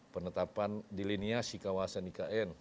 penetapan diliniasi kawasan ikn